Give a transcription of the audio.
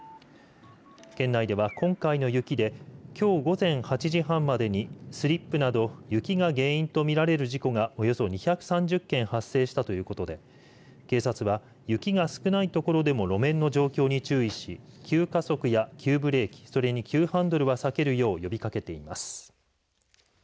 県内では、今回の雪できょう午前８時半までにスリップなど雪が原因と見られる事故がおよそ２３０件発生したということで警察は雪が少ない所でも路面の凍結に注意し急加速や急ブレーキ、それに急ハンドルは避けるよう呼びかけています。